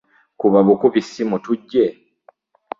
Kuba bukubi ssimu tujje.